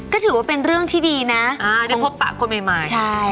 ก็ถือว่าเป็นเรื่องที่ดีนะอ่าได้พบปะคนใหม่ใหม่ใช่